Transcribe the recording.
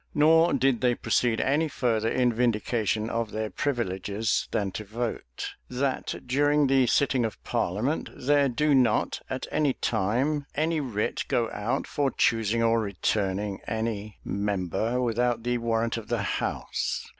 Nor did they proceed any further in vindication of their privileges than to vote, "That during the sitting of parliament, there do not, at any time, any writ go out for choosing or returning any member without the warrant of the house."